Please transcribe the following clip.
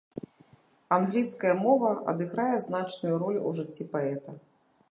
Англійская мова адыграе значную ролю ў жыцці паэта.